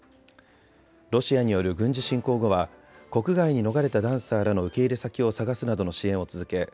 ロシアによる軍事侵攻後は国外に逃れたダンサーらの受け入れ先を探すなどの支援を続け